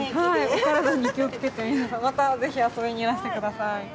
お体に気をつけて皆さんまた是非遊びにいらして下さい。